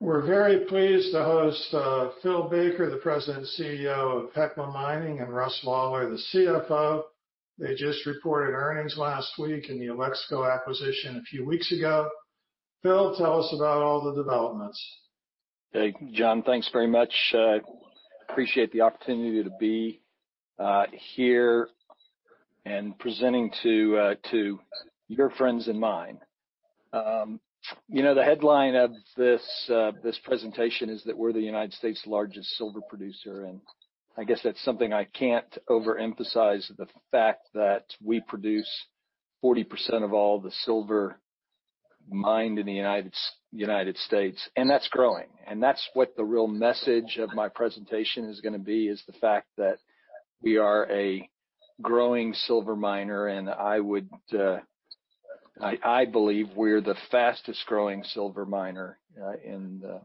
We're very pleased to host, Phil Baker, the President and CEO of Hecla Mining, and Russell Lawlar, the CFO. They just reported earnings last week and the Alexco acquisition a few weeks ago. Phil, tell us about all the developments. Hey, John. Thanks very much. Appreciate the opportunity to be here and presenting to your friends and mine. You know, the headline of this presentation is that we're the United States' largest silver producer, and I guess that's something I can't overemphasize, the fact that we produce 40% of all the silver mined in the United States, and that's growing. That's what the real message of my presentation is gonna be, is the fact that we are a growing silver miner, and I believe we're the fastest growing silver miner in the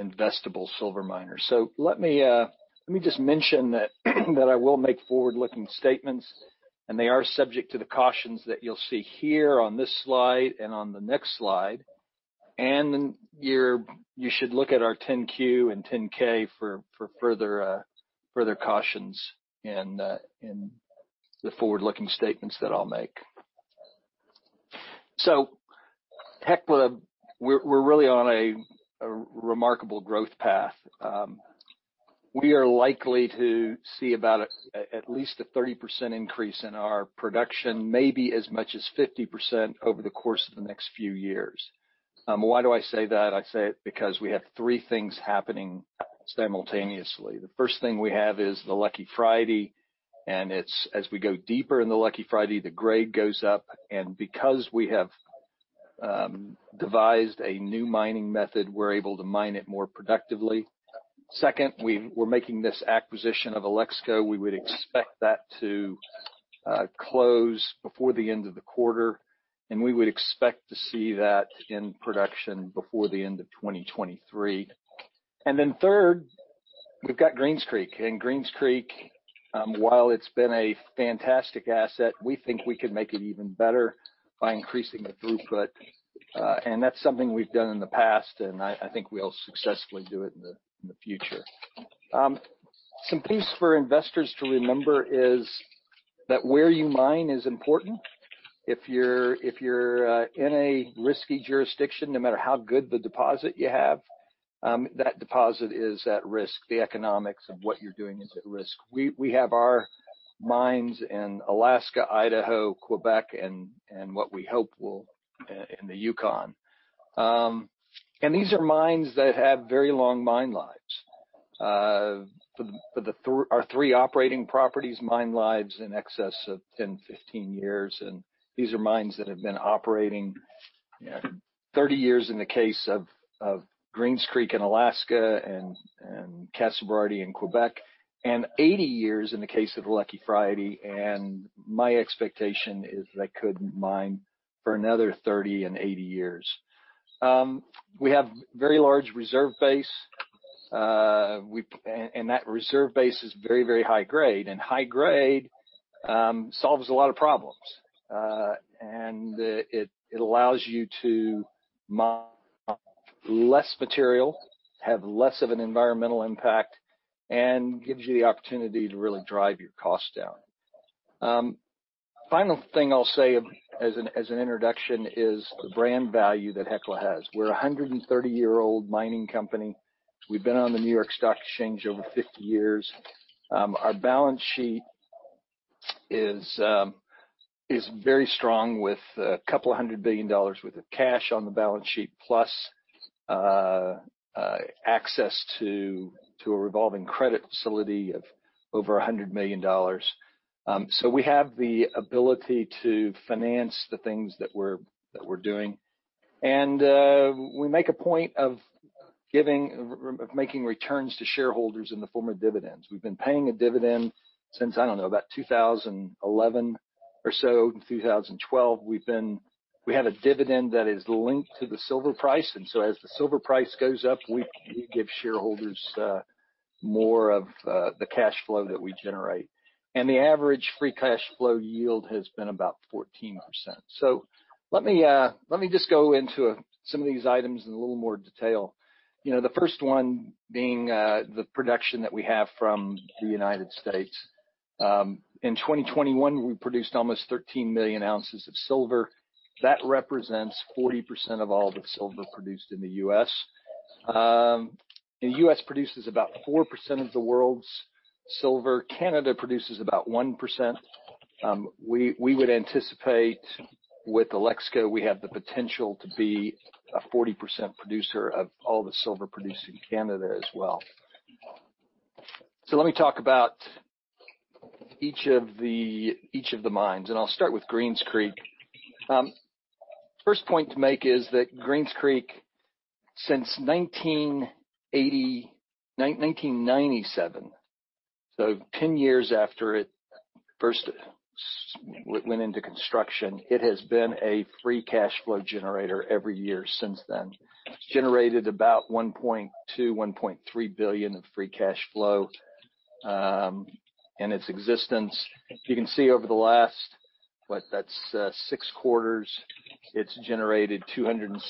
investable silver miner. Let me just mention that I will make forward-looking statements, and they are subject to the cautions that you'll see here on this slide and on the next slide. You should look at our 10-Q and 10-K for further cautions in the forward-looking statements that I'll make. Hecla, we're really on a remarkable growth path. We are likely to see at least a 30% increase in our production, maybe as much as 50% over the course of the next few years. Why do I say that? I say it because we have three things happening simultaneously. The first thing we have is the Lucky Friday, and it's, as we go deeper in the Lucky Friday, the grade goes up. Because we have devised a new mining method, we're able to mine it more productively. Second, we're making this acquisition of Alexco. We would expect that to close before the end of the quarter, and we would expect to see that in production before the end of 2023. Then third, we've got Greens Creek. Greens Creek, while it's been a fantastic asset, we think we can make it even better by increasing the throughput. That's something we've done in the past, and I think we'll successfully do it in the future. Some piece for investors to remember is that where you mine is important. If you're in a risky jurisdiction, no matter how good the deposit you have, that deposit is at risk. The economics of what you're doing is at risk. We have our mines in Alaska, Idaho, Quebec and what we hope will in the Yukon. These are mines that have very long mine lives. For our three operating properties, mine lives in excess of 10, 15 years. These are mines that have been operating, you know, 30 years in the case of Greens Creek in Alaska and Casa Berardi in Quebec, and 80 years in the case of Lucky Friday. My expectation is they could mine for another 30 and 80 years. We have very large reserve base. That reserve base is very, very high grade, and high grade solves a lot of problems. It allows you to mine less material, have less of an environmental impact, and gives you the opportunity to really drive your costs down. Final thing I'll say as an introduction is the brand value that Hecla has. We're a 130-year-old mining company. We've been on the New York Stock Exchange over 50 years. Our balance sheet is very strong with a couple of hundred billion dollars worth of cash on the balance sheet, plus access to a revolving credit facility of over $100 million. We have the ability to finance the things that we're doing. We make a point of giving of making returns to shareholders in the form of dividends. We've been paying a dividend since, I don't know, about 2011 or so. In 2012, we have a dividend that is linked to the silver price, and as the silver price goes up, we give shareholders more of the cash flow that we generate. The average free cash flow yield has been about 14%. Let me just go into some of these items in a little more detail. You know, the first one being the production that we have from the United States. In 2021, we produced almost 13 million ounces of silver. That represents 40% of all the silver produced in the US. The US produces about 4% of the world's silver. Canada produces about 1%. We would anticipate with Alexco, we have the potential to be a 40% producer of all the silver produced in Canada as well. Let me talk about each of the mines, and I'll start with Greens Creek. First point to make is that Greens Creek, since 1989-1997, so 10 years after it first went into construction, it has been a free cash flow generator every year since then. Generated about $1.2-$1.3 billion in free cash flow in its existence. You can see over the last six quarters, it's generated $266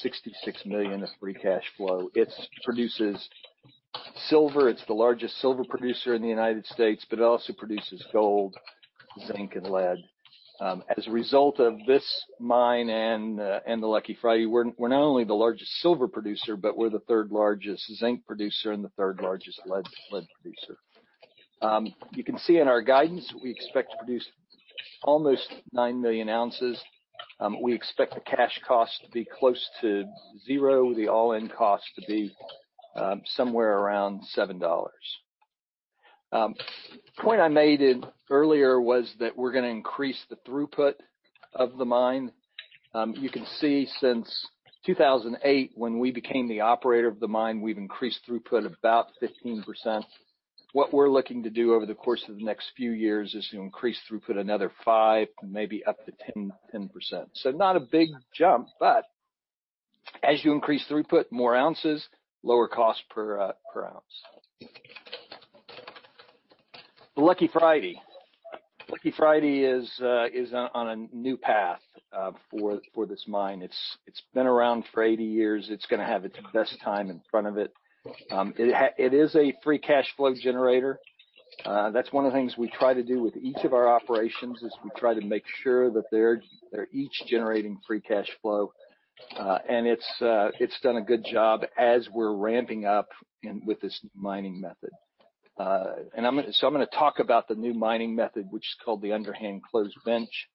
million of free cash flow. It produces silver. It's the largest silver producer in the United States, but it also produces gold, zinc, and lead. As a result of this mine and the Lucky Friday, we're not only the largest silver producer, but we're the third largest zinc producer and the third largest lead producer. You can see in our guidance, we expect to produce almost 9 million ounces. We expect the cash cost to be close to $0, the all-in cost to be somewhere around $7. The point I made earlier was that we're gonna increase the throughput of the mine. You can see since 2008, when we became the operator of the mine, we've increased throughput about 15%. What we're looking to do over the course of the next few years is to increase throughput another 5, maybe up to 10%. Not a big jump, but as you increase throughput, more ounces, lower cost per ounce. The Lucky Friday. Lucky Friday is on a new path for this mine. It's been around for 80 years. It's gonna have its best time in front of it. It is a free cash flow generator. That's one of the things we try to do with each of our operations, is we try to make sure that they're each generating free cash flow. It's done a good job as we're ramping up with this mining method. I'm gonna talk about the new mining method, which is called the underhand closed bench.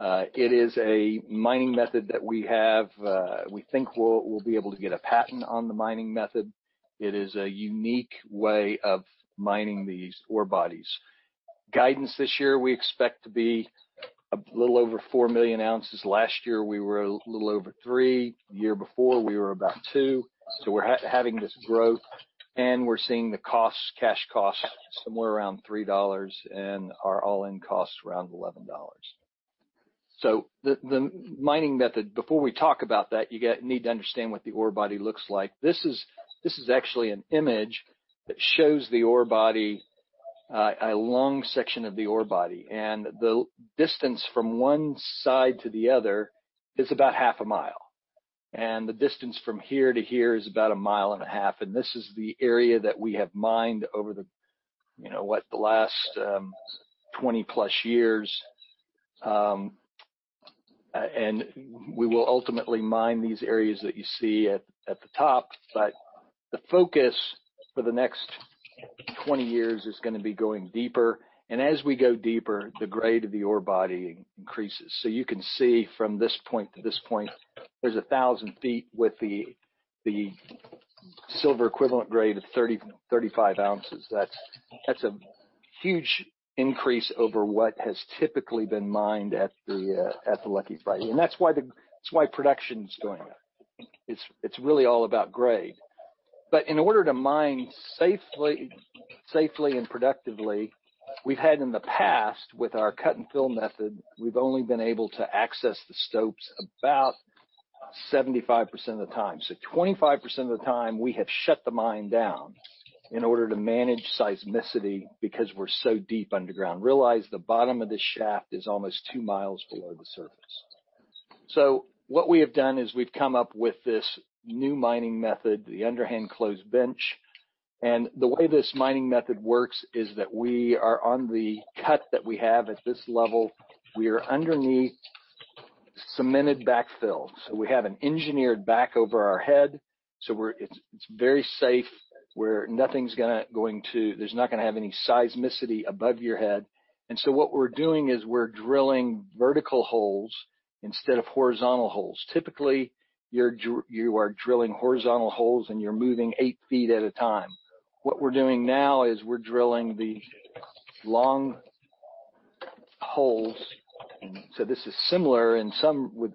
It is a mining method that we have. We think we'll be able to get a patent on the mining method. It is a unique way of mining these ore bodies. Guidance this year, we expect to be a little over 4 million ounces. Last year, we were a little over three. The year before, we were about two. We're having this growth, and we're seeing the costs, cash costs somewhere around $3 and our all-in costs around $11. The mining method, before we talk about that, you need to understand what the ore body looks like. This is actually an image that shows the ore body, a long section of the ore body. The distance from one side to the other is about half a mile. The distance from here to here is about a mile and a half. This is the area that we have mined over the last 20+ years. We will ultimately mine these areas that you see at the top. The focus for the next 20 years is gonna be going deeper. As we go deeper, the grade of the ore body increases. You can see from this point to this point, there's 1,000 feet with the silver equivalent grade of 30-35 ounces. That's a huge increase over what has typically been mined at the Lucky Friday. That's why production's going up. It's really all about grade. In order to mine safely and productively, we've had in the past with our cut-and-fill method we've only been able to access the stopes about 75% of the time. 25% of the time, we have shut the mine down in order to manage seismicity because we're so deep underground. Realize the bottom of this shaft is almost two miles below the surface. What we have done is we've come up with this new mining method, the underhand closed bench. The way this mining method works is that we are on the cut that we have at this level. We are underneath cemented backfill. We have an engineered back over our head, it's very safe. Nothing's going to. There's not gonna be any seismicity above your head. What we're doing is we're drilling vertical holes instead of horizontal holes. Typically, you are drilling horizontal holes, and you're moving eight feet at a time. What we're doing now is we're drilling the long holes. This is similar in some with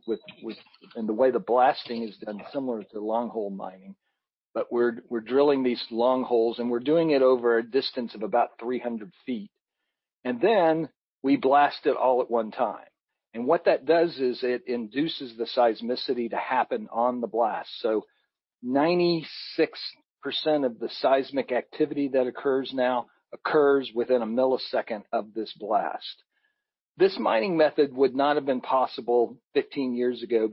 and the way the blasting is done similar to long hole mining. We're drilling these long holes, and we're doing it over a distance of about 300 feet. Then we blast it all at one time. What that does is it induces the seismicity to happen on the blast. 96% of the seismic activity that occurs now occurs within a millisecond of this blast. This mining method would not have been possible 15 years ago.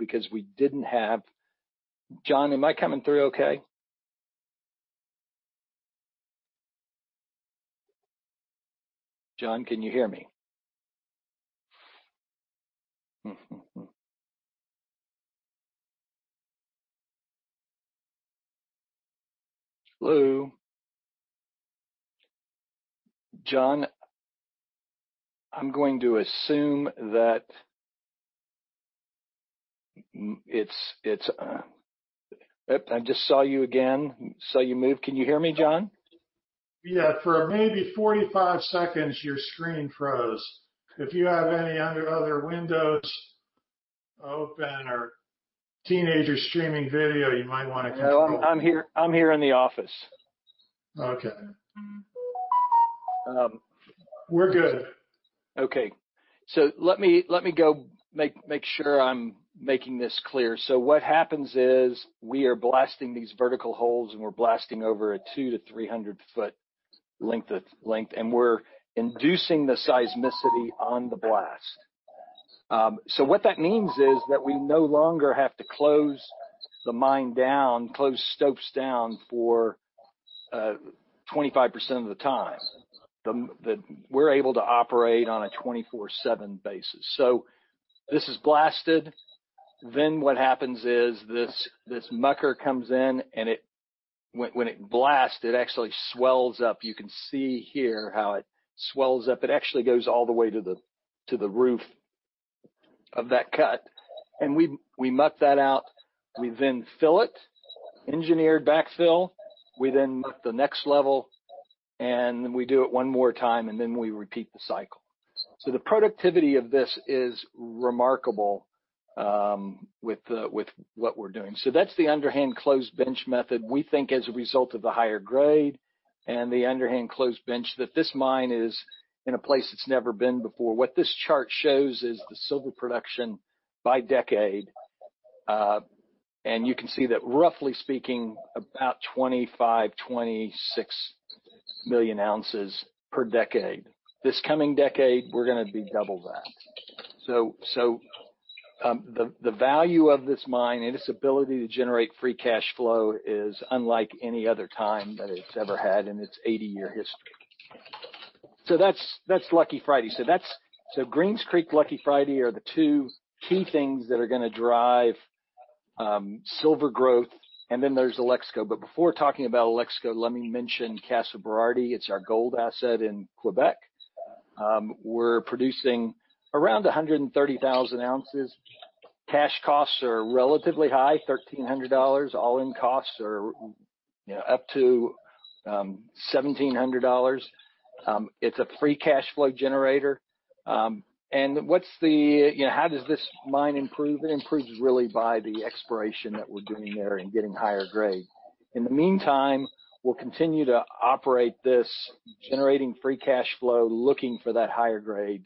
John, am I coming through okay? John, can you hear me? Hello? John, I'm going to assume that it's I just saw you again. Saw you move. Can you hear me, John? Yeah. For maybe 45 seconds, your screen froze. If you have any other windows open or teenagers streaming video, you might wanna control- No, I'm here in the office. Okay. Um- We're good. Let me go make sure I'm making this clear. What happens is we are blasting these vertical holes, and we're blasting over a 200-300 foot length, and we're inducing the seismicity on the blast. What that means is that we no longer have to close the mine down, close stopes down for 25% of the time. We're able to operate on a 24/7 basis. This is blasted. What happens is this mucker comes in, and it, when it blasts, it actually swells up. You can see here how it swells up. It actually goes all the way to the roof of that cut. We muck that out. We then fill it, engineered backfill. We then muck the next level, and we do it one more time, and then we repeat the cycle. The productivity of this is remarkable with what we're doing. That's the underhand closed bench method. We think as a result of the higher grade and the underhand closed bench, that this mine is in a place it's never been before. What this chart shows is the silver production by decade. You can see that roughly speaking about 25-26 million ounces per decade. This coming decade, we're gonna be double that. The value of this mine and its ability to generate free cash flow is unlike any other time that it's ever had in its 80-year history. That's Lucky Friday. Green's Creek, Lucky Friday are the two key things that are gonna drive silver growth. Then there's Alexco. Before talking about Alexco, let me mention Casa Berardi. It's our gold asset in Quebec. We're producing around 130,000 ounces. Cash costs are relatively high, $1,300. All-in costs are, you know, up to $1,700. It's a free cash flow generator. And what's the, you know, how does this mine improve? It improves really by the exploration that we're doing there and getting higher grade. In the meantime, we'll continue to operate this, generating free cash flow, looking for that higher grade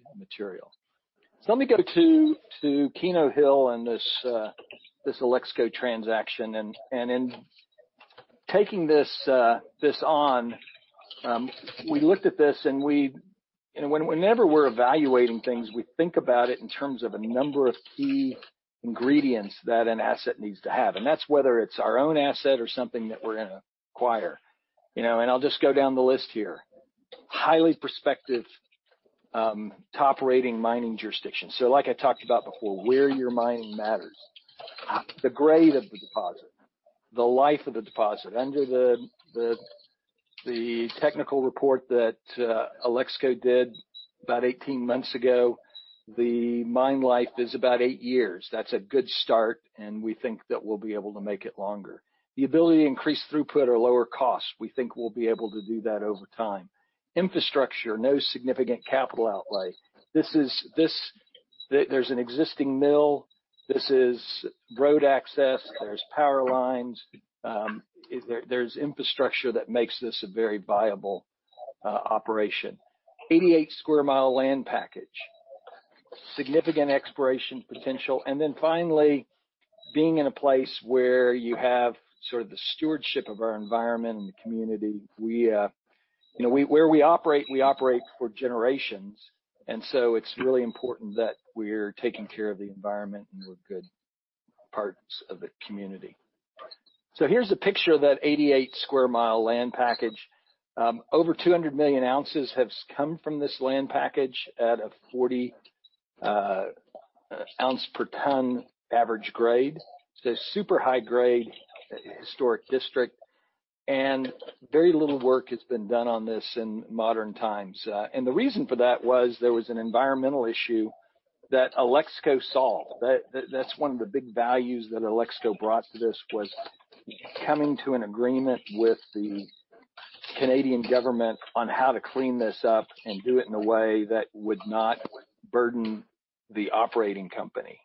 material. Let me go to Keno Hill and this Alexco transaction. We looked at this, and whenever we're evaluating things, we think about it in terms of a number of key ingredients that an asset needs to have, and that's whether it's our own asset or something that we're gonna acquire. You know, I'll just go down the list here. Highly prospective, top-rated mining jurisdiction. Like I talked about before, where you're mining matters. The grade of the deposit, the life of the deposit. Under the technical report that Alexco did about 18 months ago, the mine life is about eight years. That's a good start, and we think that we'll be able to make it longer. The ability to increase throughput or lower costs, we think we'll be able to do that over time. Infrastructure, no significant capital outlay. There's an existing mill. This is road access. There's power lines. There's infrastructure that makes this a very viable operation. 88 sq mi land package. Significant exploration potential. Then finally, being in a place where you have sort of the stewardship of our environment and the community. We, you know, where we operate, we operate for generations, and so it's really important that we're taking care of the environment and we're good partners of the community. Here's a picture of that 88 sq mi land package. Over 200 million ounces have come from this land package at a 40 ounce per ton average grade. It's a super high grade historic district, and very little work has been done on this in modern times. The reason for that was there was an environmental issue that Alexco solved. That's one of the big values that Alexco brought to this, was coming to an agreement with the Canadian government on how to clean this up and do it in a way that would not burden the operating company.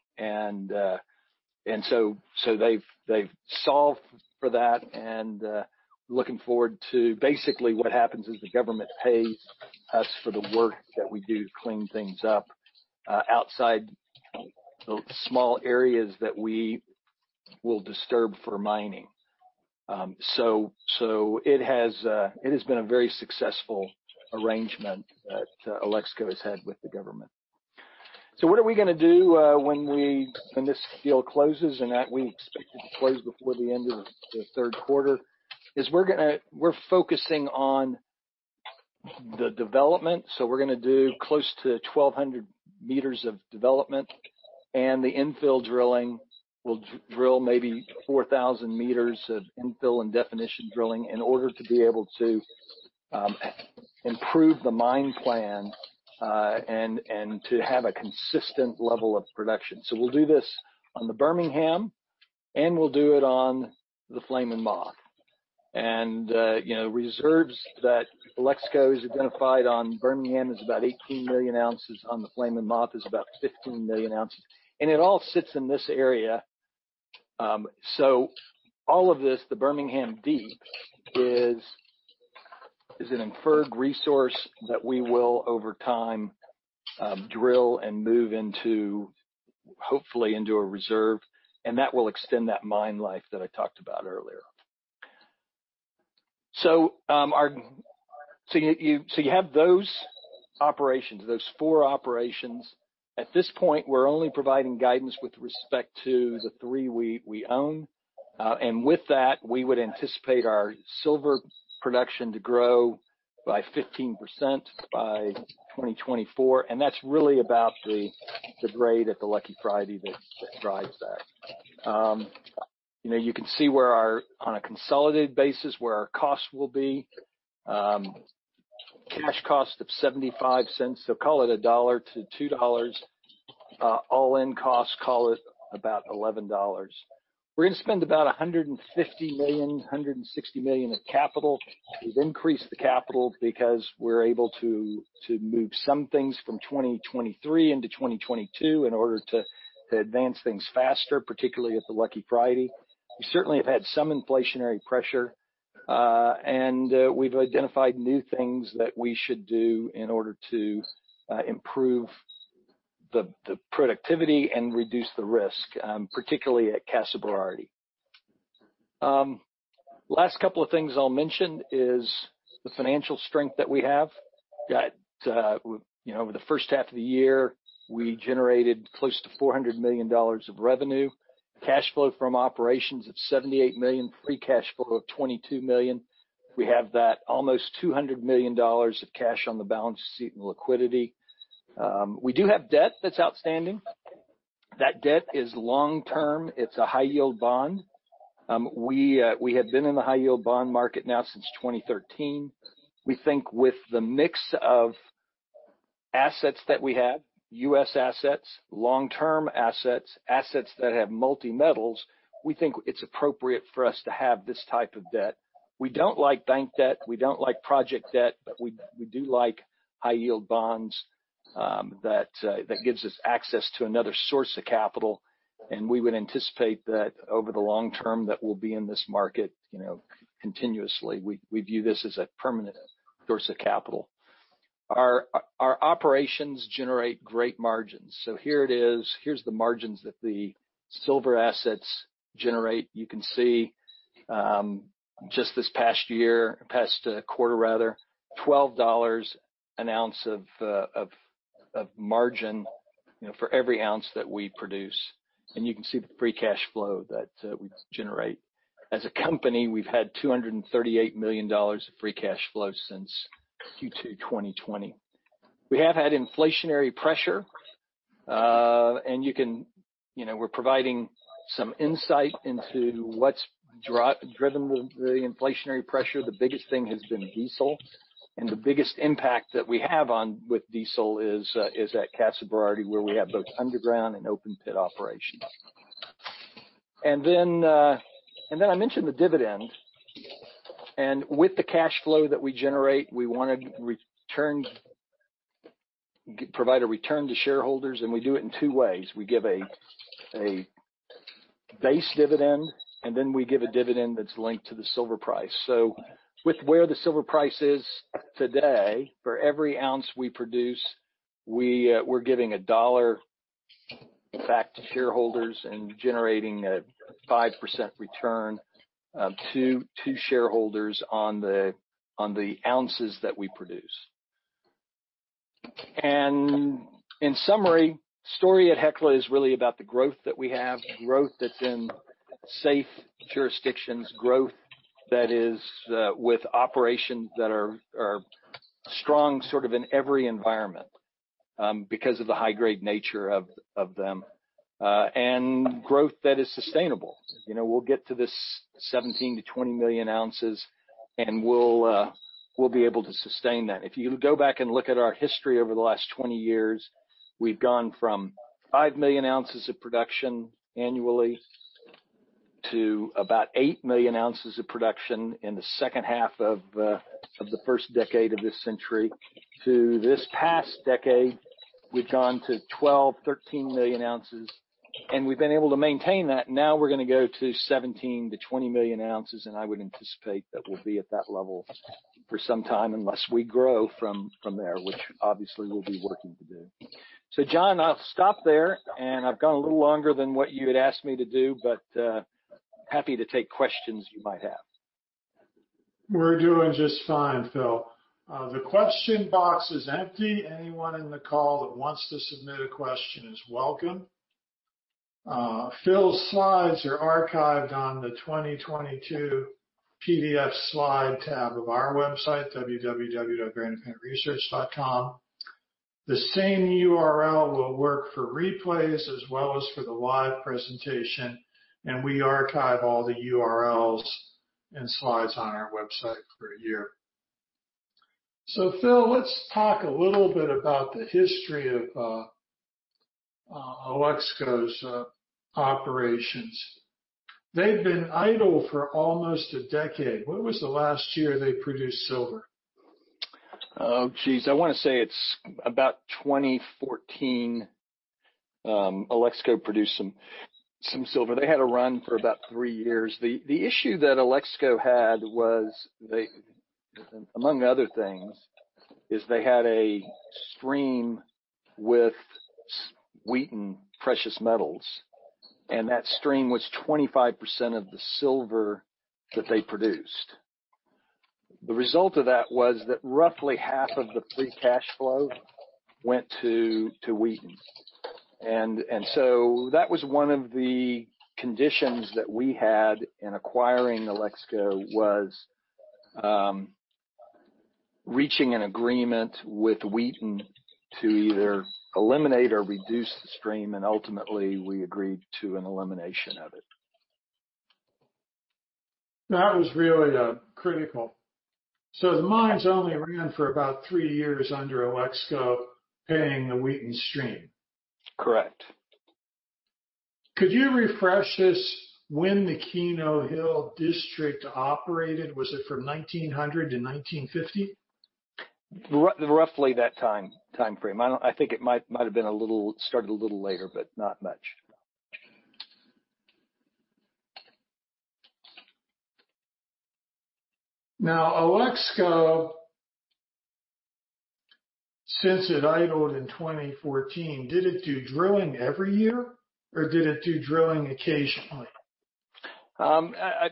They've solved for that. Basically, what happens is the government pays us for the work that we do to clean things up outside the small areas that we will disturb for mining. It has been a very successful arrangement that Alexco has had with the government. What are we gonna do, when this deal closes, and that we expect it to close before the end of the third quarter, is we're focusing on the development. We're gonna do close to 1,200 meters of development, and the infill drilling will drill maybe 4,000 meters of infill and definition drilling in order to be able to improve the mine plan, and to have a consistent level of production. We'll do this on the Birmingham, and we'll do it on the Flame & Moth. You know, reserves that Alexco has identified on Birmingham is about 18 million ounces. On the Flame & Moth is about 15 million ounces. It all sits in this area. So all of this, the Birmingham Deep is an inferred resource that we will over time drill and move into, hopefully into a reserve, and that will extend that mine life that I talked about earlier. You have those operations, those four operations. At this point, we're only providing guidance with respect to the three we own. With that, we would anticipate our silver production to grow by 15% by 2024, and that's really about the grade at the Lucky Friday that drives that. You know, you can see where our, on a consolidated basis, where our costs will be. Cash cost of $0.75, so call it $1-$2. All-in costs, call it about $11. We're gonna spend about $150 million-$160 million of capital. We've increased the capital because we're able to move some things from 2023 into 2022 in order to advance things faster, particularly at the Lucky Friday. We certainly have had some inflationary pressure, and we've identified new things that we should do in order to improve the productivity and reduce the risk, particularly at Casa Berardi. Last couple of things I'll mention is the financial strength that we have, that you know, over the first half of the year, we generated close to $400 million of revenue. Cash flow from operations of $78 million. Free cash flow of $22 million. We have that almost $200 million of cash on the balance sheet and liquidity. We do have debt that's outstanding. That debt is long term. It's a high yield bond. We have been in the high yield bond market now since 2013. We think with the mix of assets that we have, U.S. assets, long-term assets that have multi metals, we think it's appropriate for us to have this type of debt. We don't like bank debt, we don't like project debt, but we do like high yield bonds that gives us access to another source of capital. We would anticipate that over the long term that we'll be in this market, you know, continuously. We view this as a permanent source of capital. Our operations generate great margins. Here it is. Here's the margins that the silver assets generate. You can see just this past quarter rather, $12 an ounce of margin, you know, for every ounce that we produce. You can see the free cash flow that we generate. As a company, we've had $238 million of free cash flow since Q2 2020. We have had inflationary pressure, and you can, you know, we're providing some insight into what's driven the inflationary pressure. The biggest thing has been diesel, and the biggest impact that we have with diesel is at Casa Berardi, where we have both underground and open pit operations. Then I mentioned the dividend. With the cash flow that we generate, we wanna provide a return to shareholders, and we do it in two ways. We give a base dividend, and then we give a dividend that's linked to the silver price. With where the silver price is today, for every ounce we produce, we're giving $1 back to shareholders and generating a 5% return to shareholders on the ounces that we produce. In summary, story at Hecla is really about the growth that we have, growth that's in safe jurisdictions, growth that is with operations that are strong sort of in every environment, because of the high-grade nature of them, and growth that is sustainable. You know, we'll get to this 17-20 million ounces, and we'll be able to sustain that. If you go back and look at our history over the last 20 years, we've gone from 5 million ounces of production annually to about 8 million ounces of production in the second half of the first decade of this century to this past decade, we've gone to 12-13 million ounces, and we've been able to maintain that. Now we're gonna go to 17-20 million ounces, and I would anticipate that we'll be at that level for some time unless we grow from there, which obviously we'll be working to do. John, I'll stop there. I've gone a little longer than what you had asked me to do, but happy to take questions you might have. We're doing just fine, Phil. The question box is empty. Anyone in the call that wants to submit a question is welcome. Phil's slides are archived on the 2022 PDF Slide tab of our website, www.grandparentresearch.com. The same URL will work for replays as well as for the live presentation, and we archive all the URLs and slides on our website for a year. Phil, let's talk a little bit about the history of Alexco's operations. They've been idle for almost a decade. When was the last year they produced silver? Oh, geez. I wanna say it's about 2014. Alexco produced some silver. They had a run for about three years. The issue that Alexco had was, among other things, they had a stream with Wheaton Precious Metals, and that stream was 25% of the silver that they produced. The result of that was that roughly half of the free cash flow went to Wheaton. That was one of the conditions that we had in acquiring Alexco, reaching an agreement with Wheaton to either eliminate or reduce the stream, and ultimately we agreed to an elimination of it. That was really critical. The mines only ran for about three years under Alexco paying the Wheaton stream. Correct. Could you refresh us when the Keno Hill district operated? Was it from 1900 to 1950? Roughly that time, timeframe. I think it might have started a little later, but not much. Now, Alexco, since it idled in 2014, did it do drilling every year, or did it do drilling occasionally?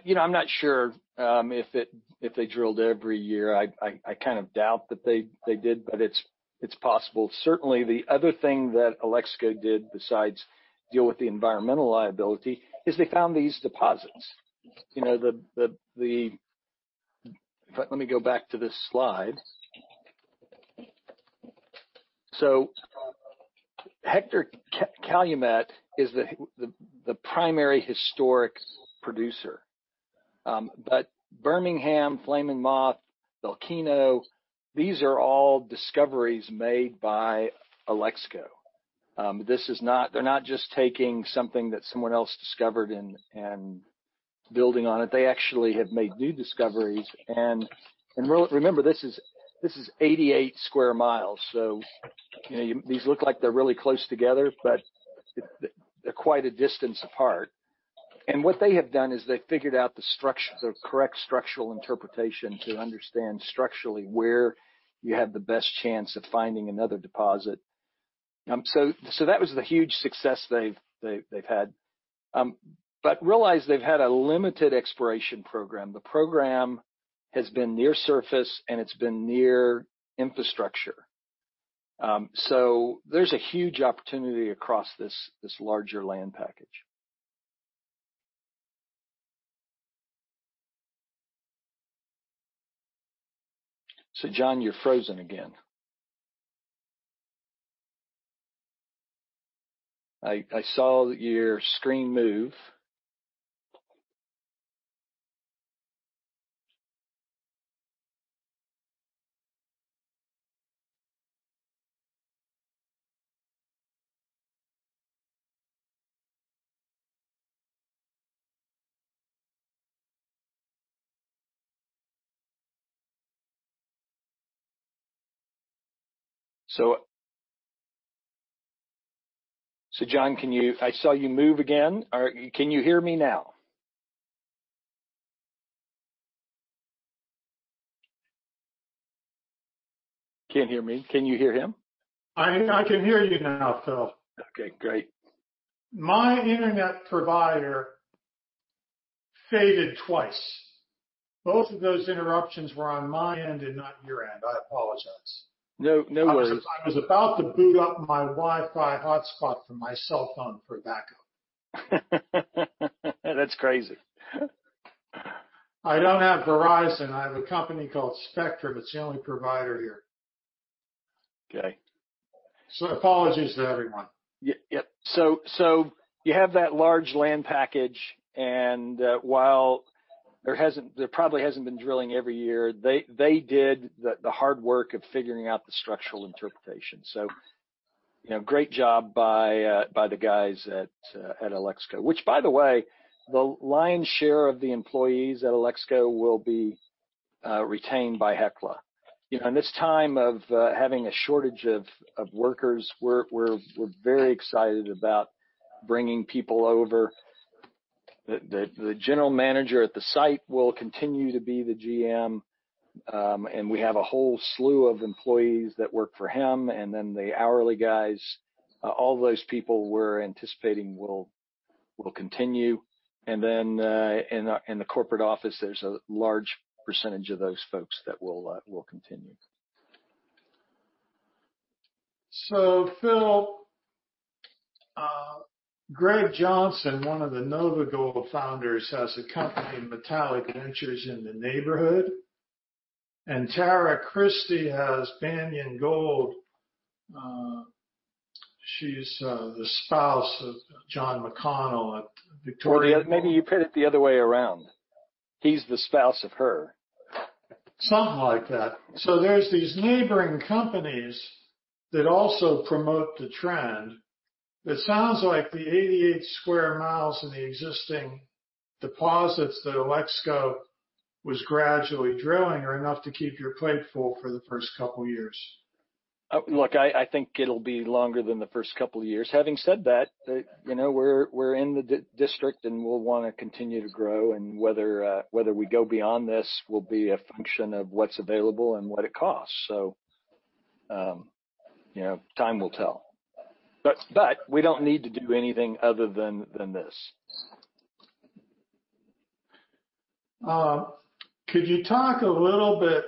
You know, I'm not sure if they drilled every year. I kind of doubt that they did, but it's possible. Certainly the other thing that Alexco did besides deal with the environmental liability is they found these deposits. You know. In fact, let me go back to this slide. Hector-Calumet is the primary historic producer. But Bermingham, Flame & Moth, Elsa, these are all discoveries made by Alexco. This is not. They're not just taking something that someone else discovered and building on it. They actually have made new discoveries. Remember, this is 88 sq mi, so you know, these look like they're really close together, but they're quite a distance apart. What they have done is they've figured out the structure, the correct structural interpretation to understand structurally where you have the best chance of finding another deposit. So that was the huge success they've had. But realize they've had a limited exploration program. The program has been near surface, and it's been near infrastructure. So there's a huge opportunity across this larger land package. So, John, you're frozen again. I saw your screen move. So John, can you. I saw you move again. Can you hear me now? Can't hear me. Can you hear him? I can hear you now, Phil. Okay, great. My internet provider faded twice. Both of those interruptions were on my end and not your end. I apologize. No, no worries. I was about to boot up my Wi-Fi hotspot from my cell phone for backup. That's crazy. I don't have Verizon. I have a company called Spectrum. It's the only provider here. Okay. Apologies to everyone. Yep. You have that large land package, and while there probably hasn't been drilling every year, they did the hard work of figuring out the structural interpretation. You know, great job by the guys at Alexco. Which, by the way, the lion's share of the employees at Alexco will be retained by Hecla. You know, in this time of having a shortage of workers, we're very excited about bringing people over. The general manager at the site will continue to be the GM, and we have a whole slew of employees that work for him, and then the hourly guys, all those people we're anticipating will continue. In the corporate office, there's a large percentage of those folks that will continue. Phil, Greg Johnson, one of the NovaGold founders, has a company, Metallic Minerals, in the neighborhood. Tara Christie has Banyan Gold. She's the spouse of John McConnell at Victoria Gold. Maybe you put it the other way around. He's the spouse of her. Something like that. There's these neighboring companies that also promote the trend. It sounds like the 88 sq mi in the existing deposits that Alexco was gradually drilling are enough to keep your plate full for the first couple years. Look, I think it'll be longer than the first couple of years. Having said that, you know, we're in the district, and we'll wanna continue to grow. Whether we go beyond this will be a function of what's available and what it costs. You know, time will tell. But we don't need to do anything other than this. Could you talk a little bit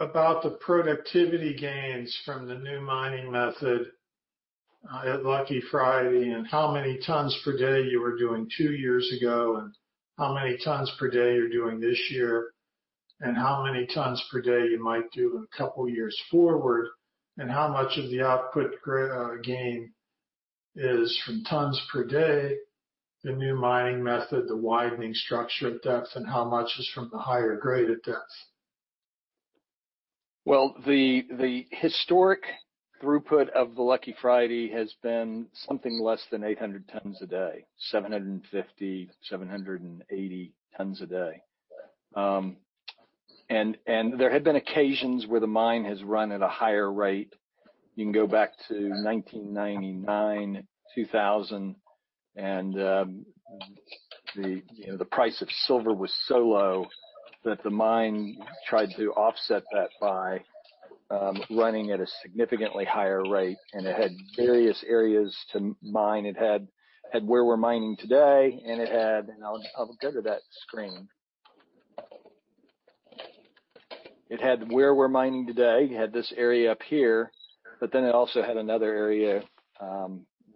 about the productivity gains from the new mining method at Lucky Friday, and how many tons per day you were doing two years ago, and how many tons per day you're doing this year, and how many tons per day you might do in a couple years forward, and how much of the output gain is from tons per day, the new mining method, the widening structure at depth, and how much is from the higher grade at depth? Well, the historic throughput of the Lucky Friday has been something less than 800 tons a day. 750, 780 tons a day. There had been occasions where the mine has run at a higher rate. You can go back to 1999, 2000, you know, the price of silver was so low that the mine tried to offset that by running at a significantly higher rate. It had various areas to mine. It had where we're mining today. I'll go to that screen. It had where we're mining today. It had this area up here, but then it also had another area,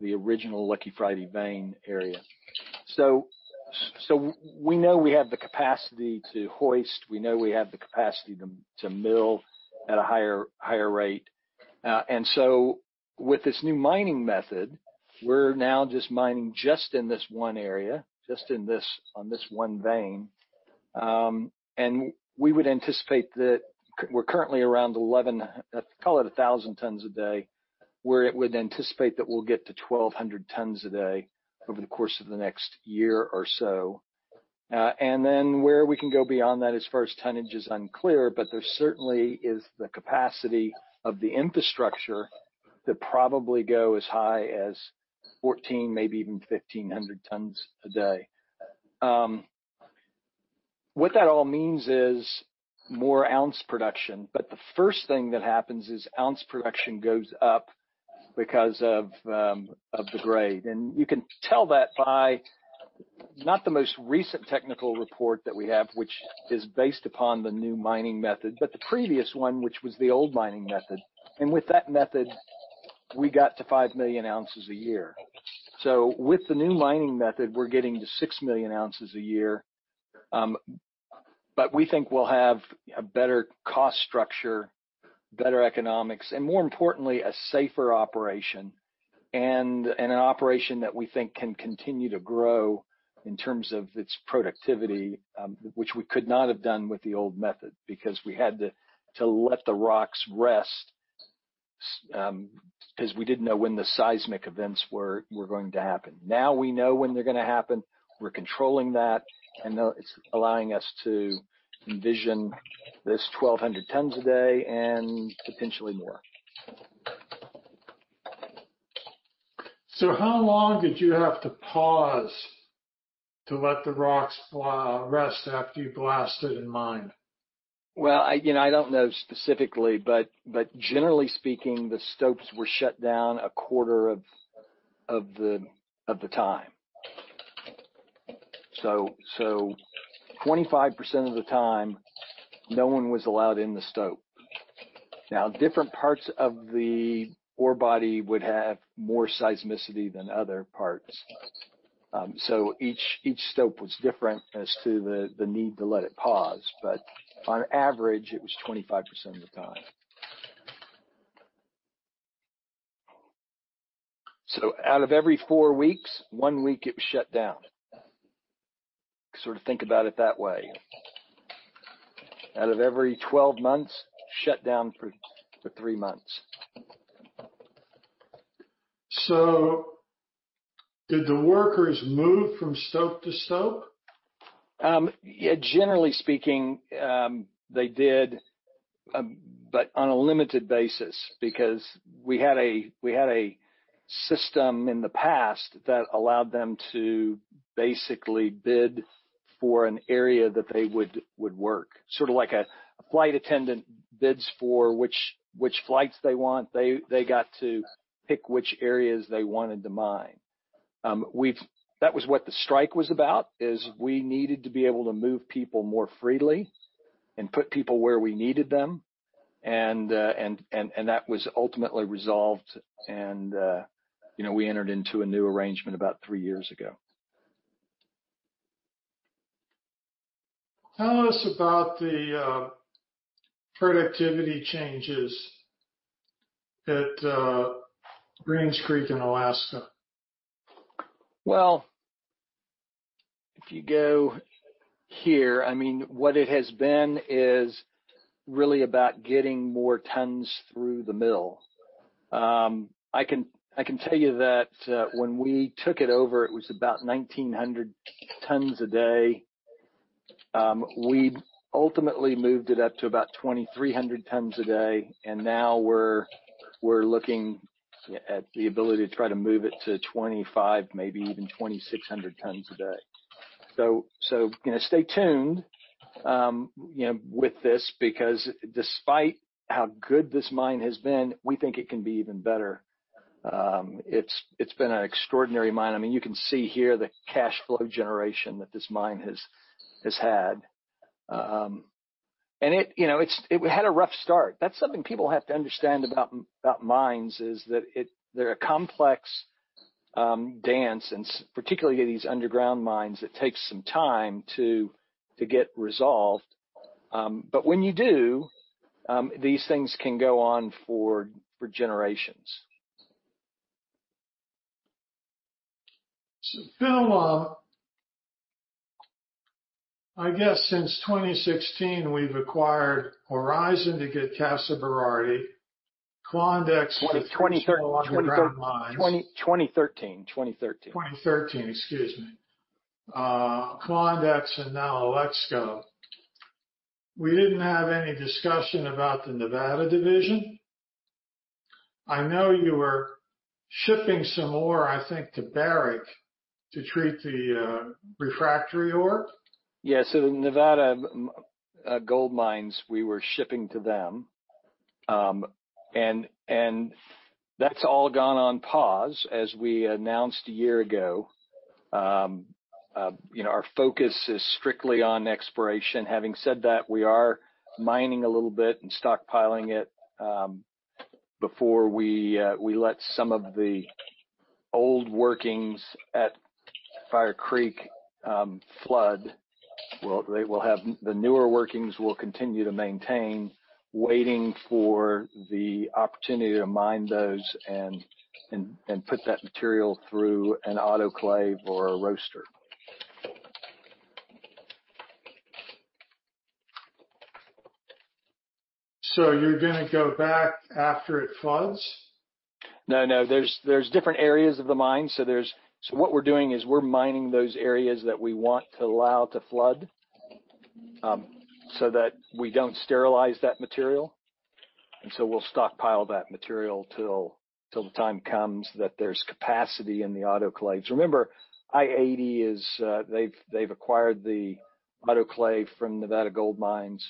the original Lucky Friday vein area. We know we have the capacity to hoist. We know we have the capacity to mill at a higher rate. With this new mining method, we're now just mining in this one area on this one vein. We would anticipate that we're currently around 1,100 tons a day, and we anticipate that we'll get to 1,200 tons a day over the course of the next year or so. Where we can go beyond that as far as tonnage is unclear, but there certainly is the capacity of the infrastructure to probably go as high as 1,400, maybe even 1,500 tons a day. What that all means is more ounce production. The first thing that happens is ounce production goes up because of the grade. You can tell that by, not the most recent technical report that we have, which is based upon the new mining method, but the previous one, which was the old mining method. With that method, we got to 5 million ounces a year. With the new mining method, we're getting to 6 million ounces a year. We think we'll have a better cost structure, better economics, and more importantly, a safer operation and an operation that we think can continue to grow in terms of its productivity, which we could not have done with the old method, because we had to let the rocks rest, because we didn't know when the seismic events were going to happen. Now we know when they're gonna happen. We're controlling that, and now it's allowing us to envision this 1,200 tons a day and potentially more. How long did you have to pause to let the rocks rest after you blasted and mined? Well, you know, I don't know specifically, but generally speaking, the stopes were shut down a quarter of the time. Twenty-five percent of the time, no one was allowed in the stope. Now, different parts of the ore body would have more seismicity than other parts. Each stope was different as to the need to let it pause. On average, it was 25% of the time. Out of every four weeks, one week it was shut down. Sort of think about it that way. Out of every 12 months, shut down for three months. Did the workers move from stope to stope? Yeah, generally speaking, they did, but on a limited basis because we had a system in the past that allowed them to basically bid for an area that they would work. Sort of like a flight attendant bids for which flights they want, they got to pick which areas they wanted to mine. That was what the strike was about, is we needed to be able to move people more freely and put people where we needed them. That was ultimately resolved and, you know, we entered into a new arrangement about three years ago. Tell us about the productivity changes at Greens Creek in Alaska? Well, if you go here, I mean, what it has been is really about getting more tons through the mill. I can tell you that when we took it over, it was about 1,900 tons a day. We ultimately moved it up to about 2,300 tons a day, and now we're looking at the ability to try to move it to 2,500, maybe even 2,600 tons a day. You know, stay tuned with this because despite how good this mine has been, we think it can be even better. It's been an extraordinary mine. I mean, you can see here the cash flow generation that this mine has had. You know, it had a rough start. That's something people have to understand about mines, is that they're a complex dance and particularly these underground mines, that takes some time to get resolved. But when you do, these things can go on for generations. I guess since 2016, we've acquired Aurizon to get Casa Berardi, Klondex with two small underground mines. 2013. 2013, excuse me. Klondex and now Alexco. We didn't have any discussion about the Nevada division. I know you were shipping some ore, I think, to Barrick to treat the refractory ore. Yeah. The Nevada Gold Mines, we were shipping to them. That's all gone on pause as we announced a year ago. You know, our focus is strictly on exploration. Having said that, we are mining a little bit and stockpiling it before we let some of the old workings at Fire Creek flood. The newer workings will continue to maintain, waiting for the opportunity to mine those and put that material through an autoclave or a roaster. You're gonna go back after it floods? No. There's different areas of the mine. What we're doing is we're mining those areas that we want to allow to flood, so that we don't sterilize that material. We'll stockpile that material till the time comes that there's capacity in the autoclaves. Remember, I-80 is, they've acquired the autoclave from Nevada Gold Mines,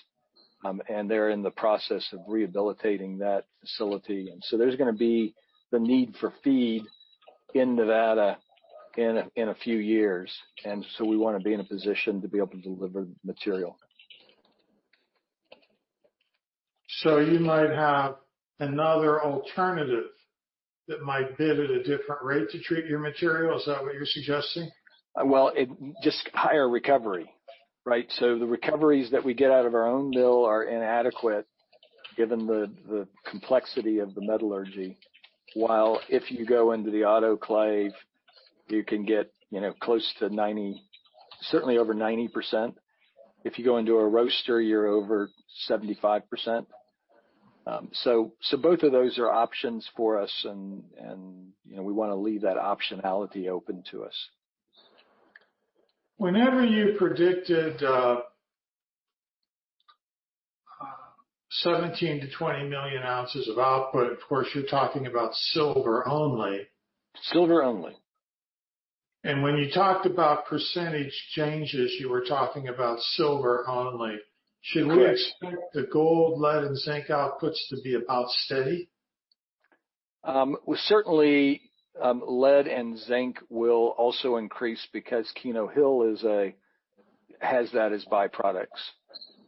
and they're in the process of rehabilitating that facility. There's gonna be the need for feed in Nevada in a few years. We wanna be in a position to be able to deliver material. You might have another alternative that might bid at a different rate to treat your material. Is that what you're suggesting? Well, just higher recovery, right? The recoveries that we get out of our own mill are inadequate given the complexity of the metallurgy. While if you go into the autoclave, you can get, you know, close to 90, certainly over 90%. If you go into a roaster, you're over 75%. Both of those are options for us and, you know, we wanna leave that optionality open to us. Whenever you predicted 17-20 million ounces of output, of course, you're talking about silver only. Silver only. When you talked about percentage changes, you were talking about silver only. Correct. Should we expect the gold, lead, and zinc outputs to be about steady? Well, certainly, lead and zinc will also increase because Keno Hill has that as byproducts.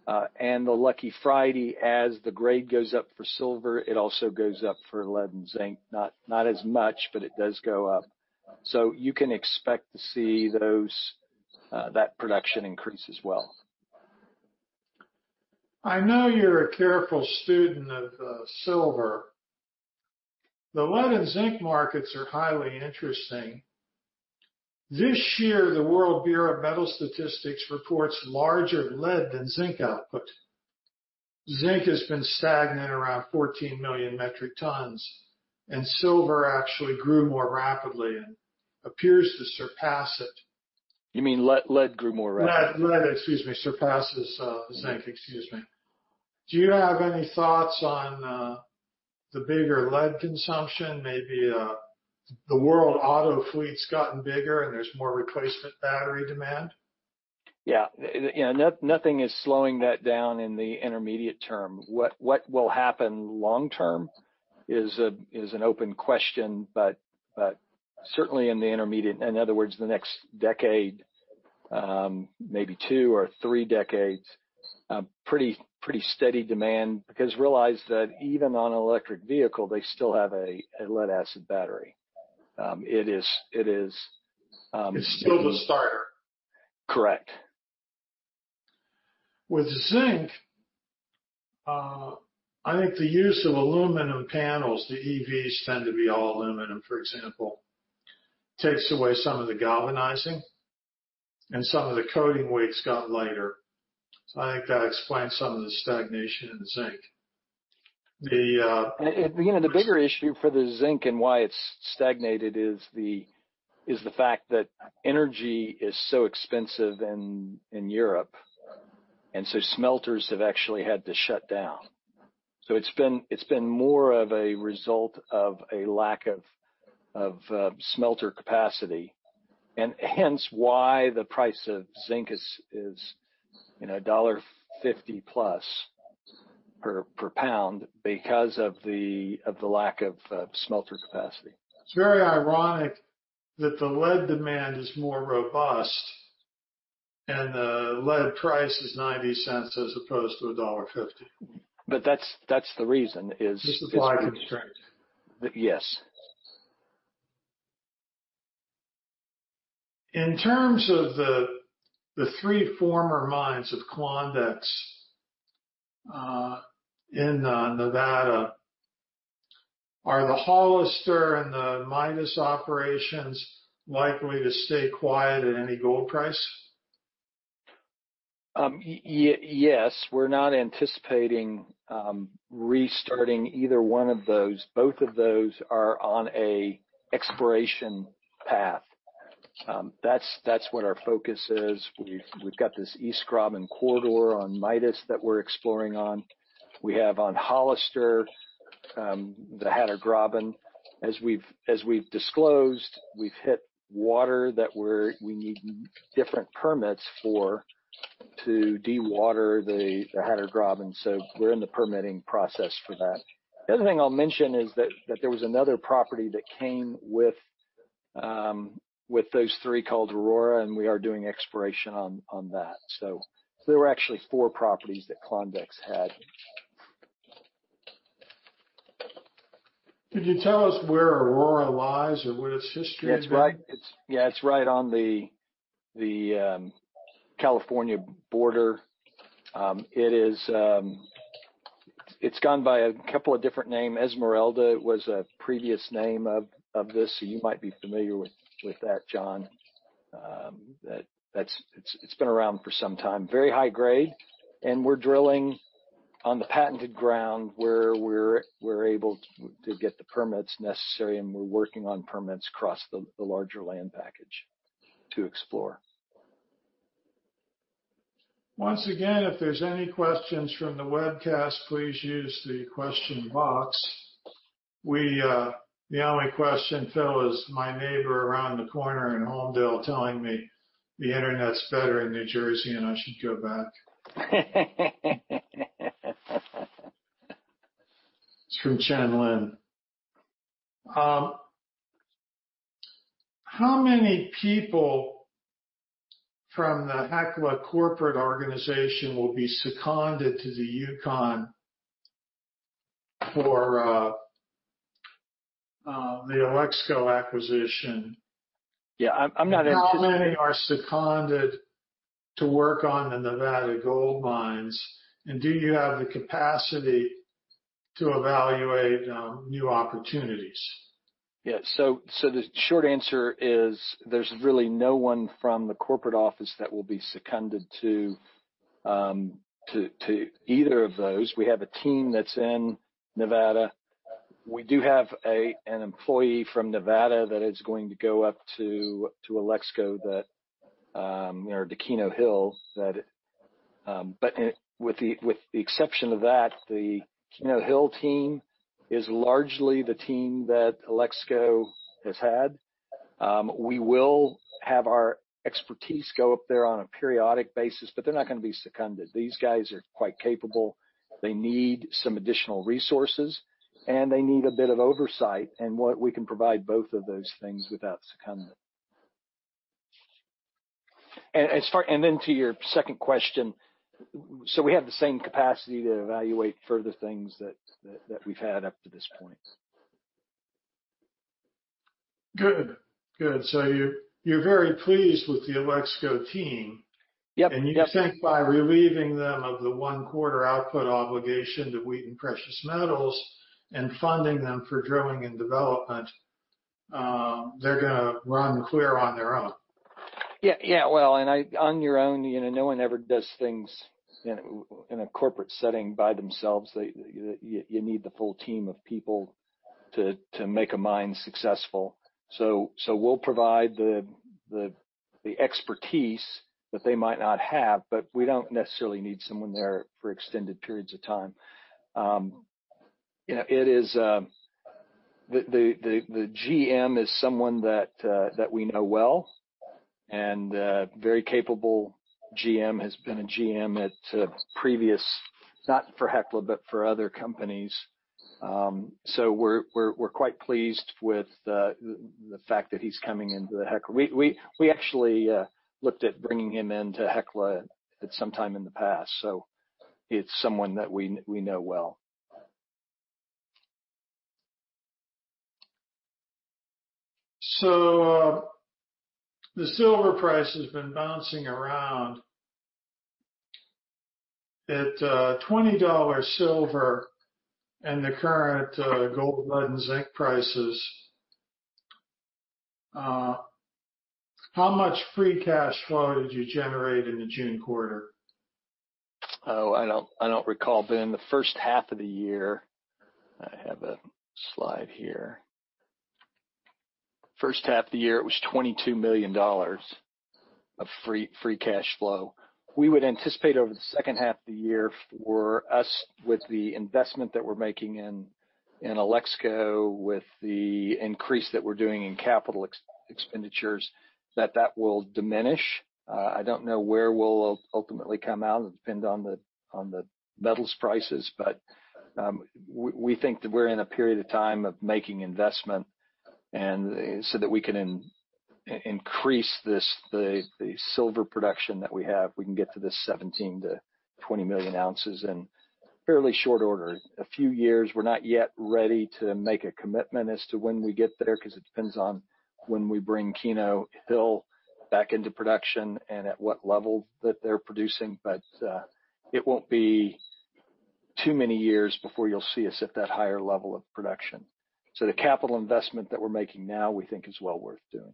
The Lucky Friday, as the grade goes up for silver, it also goes up for lead and zinc. Not as much, but it does go up. You can expect to see those, that production increase as well. I know you're a careful student of silver. The lead and zinc markets are highly interesting. This year, the World Bureau of Metal Statistics reports larger lead than zinc output. Zinc has been stagnant around 14 million metric tons, and silver actually grew more rapidly and appears to surpass it. You mean lead grew more rapidly. Lead surpasses zinc. Excuse me. Do you have any thoughts on the bigger lead consumption? Maybe the world auto fleet's gotten bigger, and there's more replacement battery demand. Yeah. You know, nothing is slowing that down in the intermediate term. What will happen long term is an open question, but certainly in the intermediate, in other words, the next decade, maybe two or three decades, pretty steady demand. Because realize that even on an electric vehicle, they still have a lead-acid battery. It is. It's still the starter. Correct. With zinc, I think the use of aluminum panels, the EVs tend to be all aluminum, for example, takes away some of the galvanizing, and some of the coating weights got lighter. I think that explains some of the stagnation in zinc. You know, the bigger issue for the zinc and why it's stagnated is the fact that energy is so expensive in Europe, and so smelters have actually had to shut down. It's been more of a result of a lack of smelter capacity and hence why the price of zinc is, you know, $1.50+ per pound because of the lack of smelter capacity. It's very ironic that the lead demand is more robust and the lead price is $0.90 as opposed to $1.50. That's the reason is. The supply constraint. Yes. In terms of the three former mines of Klondex, in Nevada, are the Hollister and the Midas operations likely to stay quiet at any gold price? Yes. We're not anticipating restarting either one of those. Both of those are on an exploration path. That's what our focus is. We've got this East Graben Corridor on Midas that we're exploring on. We have on Hollister the Hatter Graben. As we've disclosed, we've hit water that we need different permits for to de-water the Hatter Graben, so we're in the permitting process for that. The other thing I'll mention is that there was another property that came with those three called Aurora, and we are doing exploration on that. There were actually four properties that Klondex had. Could you tell us where Aurizon lies or what its history is? Yeah, it's right on the California border. It's gone by a couple of different names. Esmeralda was a previous name of this, so you might be familiar with that, John. That's been around for some time. Very high grade, and we're drilling on the patented ground where we're able to get the permits necessary, and we're working on permits across the larger land package to explore. Once again, if there's any questions from the webcast, please use the question box. We, the only question, Phil, is my neighbor around the corner in Holmdel telling me the Internet's better in New Jersey, and I should go back. It's from Chen Lin. How many people from the Hecla corporate organization will be seconded to the Yukon for the Alexco acquisition? Yeah. I'm not interested. How many are seconded to work on the Nevada Gold Mines? Do you have the capacity to evaluate new opportunities? Yeah. The short answer is there's really no one from the corporate office that will be seconded to either of those. We have a team that's in Nevada. We have an employee from Nevada that is going to go up to Alexco, you know, to Keno Hill. With the exception of that, the Keno Hill team is largely the team that Alexco has had. We will have our expertise go up there on a periodic basis, but they're not gonna be seconded. These guys are quite capable. They need some additional resources, and they need a bit of oversight, and what we can provide both of those things without secondment. As far. To your second question, we have the same capacity to evaluate further things that we've had up to this point. Good. You're very pleased with the Alexco team. Yep. You think by relieving them of the one-quarter output obligation to Wheaton Precious Metals and funding them for drilling and development, they're gonna run clear on their own. Yeah. Yeah. Well, on your own, you know, no one ever does things in a corporate setting by themselves. You need the full team of people to make a mine successful. We'll provide the expertise that they might not have, but we don't necessarily need someone there for extended periods of time. You know, it is. The GM is someone that we know well and very capable GM. Has been a GM at previous. Not for Hecla, but for other companies. We're quite pleased with the fact that he's coming into the Hecla. We actually looked at bringing him into Hecla at some time in the past. It's someone that we know well. The silver price has been bouncing around. At $20 silver and the current gold, lead, and zinc prices, how much free cash flow did you generate in the June quarter? I don't recall, John. The first half of the year. I have a slide here. First half of the year, it was $22 million of free cash flow. We would anticipate over the second half of the year for us, with the investment that we're making in Alexco, with the increase that we're doing in capital expenditures, that will diminish. I don't know where we'll ultimately come out. It depends on the metals prices. We think that we're in a period of time of making investment and so that we can increase this, the silver production that we have. We can get to this 17-20 million ounces in fairly short order. A few years, we're not yet ready to make a commitment as to when we get there, because it depends on when we bring Keno Hill back into production and at what level that they're producing. It won't be too many years before you'll see us at that higher level of production. The capital investment that we're making now, we think is well worth doing.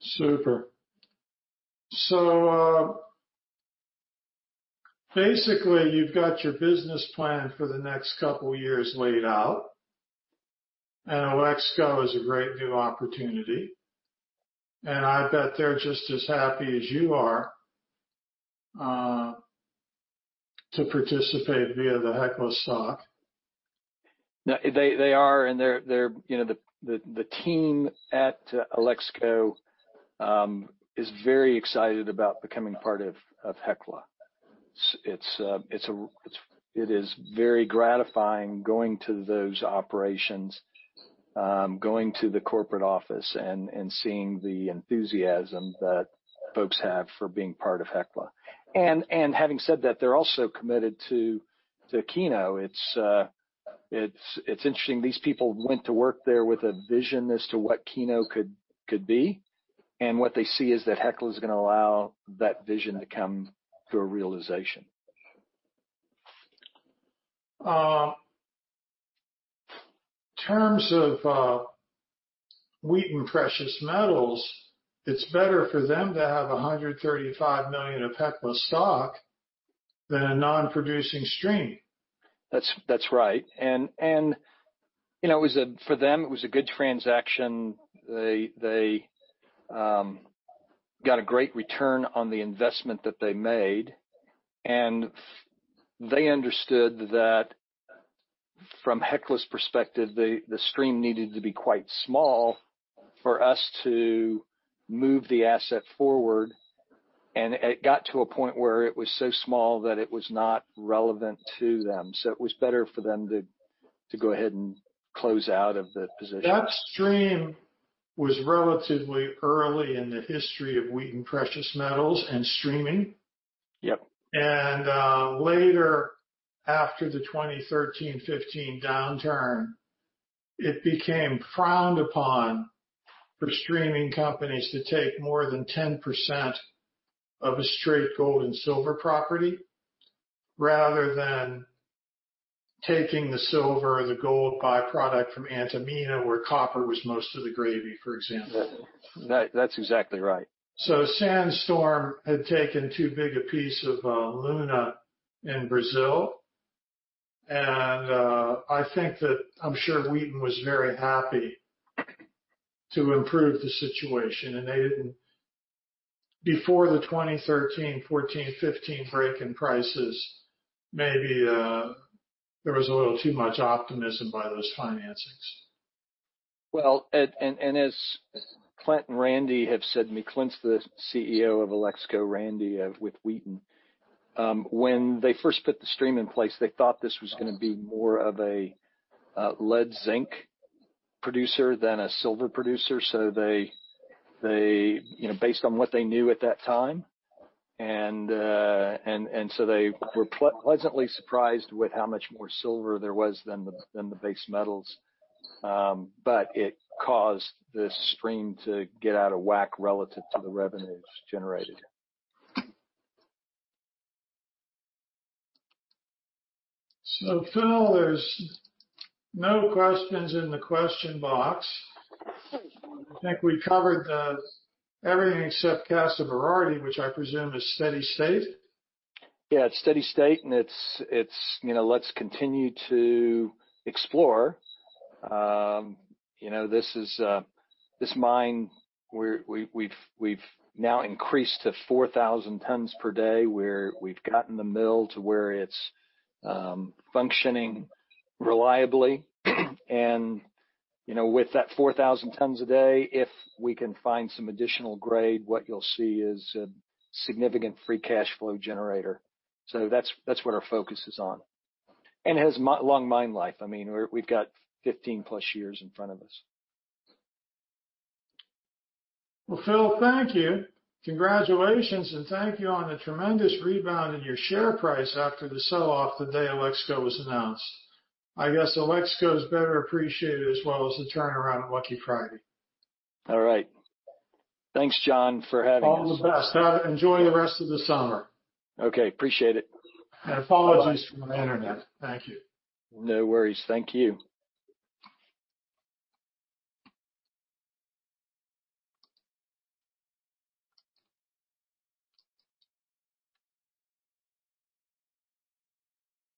Super. Basically you've got your business plan for the next couple of years laid out, and Alexco is a great new opportunity. I bet they're just as happy as you are, to participate via the Hecla stock. No, they are. You know, the team at Alexco is very excited about becoming part of Hecla. It is very gratifying going to those operations, going to the corporate office and seeing the enthusiasm that folks have for being part of Hecla. Having said that, they're also committed to Keno. It's interesting. These people went to work there with a vision as to what Keno could be, and what they see is that Hecla is gonna allow that vision to come to a realization. In terms of Wheaton Precious Metals, it's better for them to have 135 million of Hecla stock than a non-producing stream. That's right. You know, it was a good transaction for them. They got a great return on the investment that they made. They understood that from Hecla's perspective, the stream needed to be quite small for us to move the asset forward. It got to a point where it was so small that it was not relevant to them. It was better for them to go ahead and close out of the position. That stream was relatively early in the history of Wheaton Precious Metals and streaming. Yep. Later, after the 2013-2015 downturn, it became frowned upon for streaming companies to take more than 10% of a straight gold and silver property, rather than taking the silver or the gold byproduct from Antamina, where copper was most of the gravy, for example. That's exactly right. Sandstorm had taken too big a piece of Luna in Brazil. I think that, I'm sure Wheaton was very happy to improve the situation, and they didn't. Before the 2013, 2014, 2015 break in prices, maybe, there was a little too much optimism by those financings. Well, as Clint and Randy have said to me, Clint's the CEO of Alexco, Randy with Wheaton. When they first put the stream in place, they thought this was gonna be more of a lead zinc producer than a silver producer. You know, based on what they knew at that time. They were pleasantly surprised with how much more silver there was than the base metals. It caused the stream to get out of whack relative to the revenues generated. Phil, there's no questions in the question box. I think we covered the, everything except Casa Berardi, which I presume is steady state. Yeah, it's steady state and it's you know, let's continue to explore. You know, this is this mine we've now increased to 4,000 tons per day, where we've gotten the mill to where it's functioning reliably. You know, with that 4,000 tons a day, if we can find some additional grade, what you'll see is a significant free cash flow generator. That's what our focus is on. It has a long mine life. I mean, we've got 15+ years in front of us. Well, Phil, thank you. Congratulations and thank you on the tremendous rebound in your share price after the sell-off the day Alexco was announced. I guess Alexco is better appreciated as well as the turnaround at Lucky Friday. All right. Thanks, John, for having us. All the best. Enjoy the rest of the summer. Okay, appreciate it. Apologies for my internet. Thank you. No worries. Thank you.